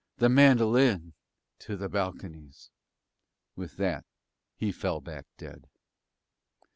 "The mandolin to the balconies." With that he fell back dead.